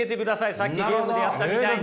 さっきゲームでやったみたいに。